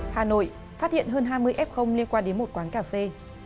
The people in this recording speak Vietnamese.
hà nội phát hiện hơn hai mươi f liên quan đến một quán cà phê